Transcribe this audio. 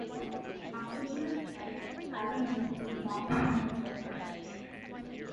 After he retired, Adam moved to Dauphin, Manitoba.